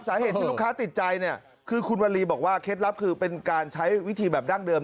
สาเหตุที่ลูกค้าติดใจเนี่ยคือคุณวลีบอกว่าเคล็ดลับคือเป็นการใช้วิธีแบบดั้งเดิม